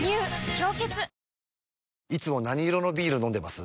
「氷結」いつも何色のビール飲んでます？